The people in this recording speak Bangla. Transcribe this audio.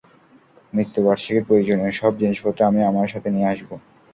মূত্য বার্ষিকীর প্রয়োজনীয় সব জিনিসপত্র আমি আমার সাথে নিয়ে আসবো।